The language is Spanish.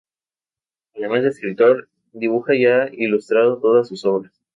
Además de escribir, dibuja y ha ilustrado todas sus obras.